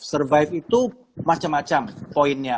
survive itu macam macam poinnya